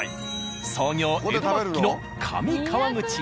創業江戸末期の「上川口屋」。